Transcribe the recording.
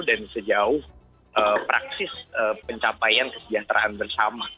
dan sejauh praksis pencapaian kesejahteraan bersama